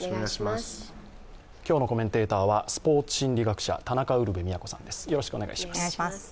今日のコメンテーターはスポーツ心理学者、田中ウルヴェ京さんです。